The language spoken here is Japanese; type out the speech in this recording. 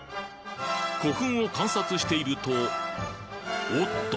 古墳を観察しているとおっと！